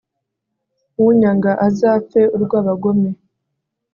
unyanga azapfe urw'abagome